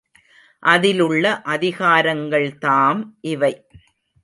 அதிலுள்ள அதிகாரங்கள்தாம் இவை.